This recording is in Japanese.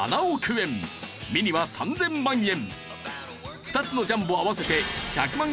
ミニは３０００万円。